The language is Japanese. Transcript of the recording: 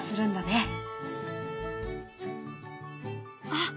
あ！